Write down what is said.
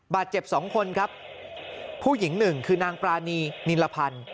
บาดเจ็บ๒คนครับผู้หญิงหนึ่งคือนางปรานีนิลพันธ์